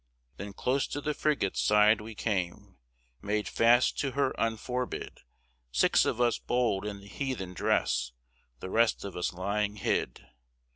Then close to the frigate's side we came, Made fast to her unforbid Six of us bold in the heathen dress, The rest of us lying hid.